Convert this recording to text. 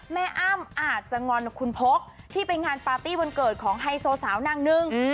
อ้ำอาจจะงอนคุณพกที่ไปงานปาร์ตี้วันเกิดของไฮโซสาวนางนึง